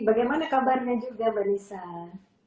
bagaimana kabarnya juga mbak risa